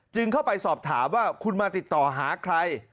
เข้าไปสอบถามว่าคุณมาติดต่อหาใคร